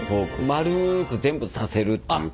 丸く全部刺せるっていう。